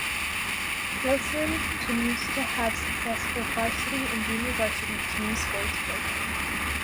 Salesian continues to have successful varsity and junior varsity team sports program.